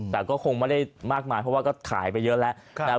แต่ก็คงไม่ได้มากมายเพราะว่าก็ขายไปเยอะแล้วนะครับ